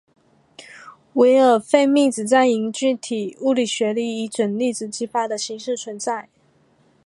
魏尔费米子在凝聚体物理学里以准粒子激发的形式存在。